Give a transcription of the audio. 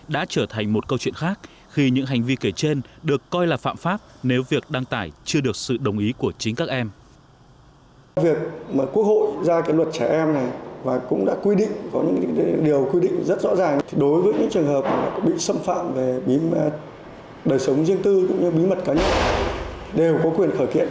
đối với những trường hợp bị xâm phạm về đời sống riêng tư cũng như bí mật cá nhân đều có quyền khởi kiện